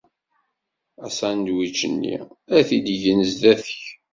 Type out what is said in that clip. Asandwič-nni ad t-id-gen sdat-k.